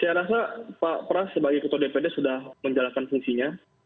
saya rasa pak pras sebagai ketua dpd sudah menjalankan fungsinya